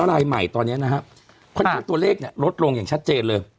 ลายใหม่ตอนเนี้ยนะครับค่ะตัวเลขอ่ะลดลงอย่างชัดเจนเลย